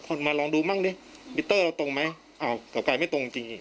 มาลองดูมั่งดิมิเตอร์เราตรงไหมอ้าวต่อไปไม่ตรงจริงอีก